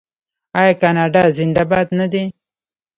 آیا کاناډا زنده باد نه دی؟